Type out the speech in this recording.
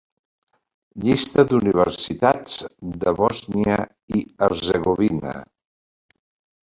Llista d'universitats de Bòsnia i Herzegovina